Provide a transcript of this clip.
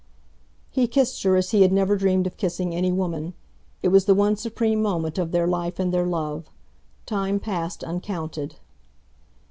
He kissed her as he had never dreamed of kissing any woman. It was the one supreme moment of their life and their love. Time passed uncounted....